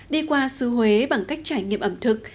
đi qua xứ huế bằng cách trải nghiệm ẩm thực